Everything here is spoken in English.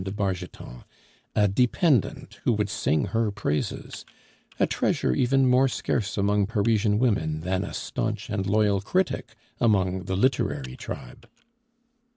de Bargeton, a dependent who would sing her praises, a treasure even more scarce among Parisian women than a staunch and loyal critic among the literary tribe.